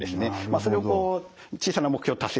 それを小さな目標達成